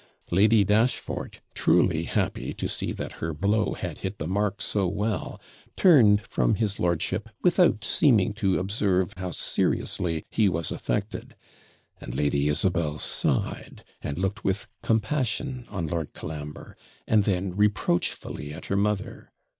Lady Dashfort, truly happy to see that her blow had hit the mark so well, turned from his lordship without seeming to observe how seriously he was affected; and Lady Isabel sighed, and looked with compassion on Lord Colambre, and then reproachfully at her mother.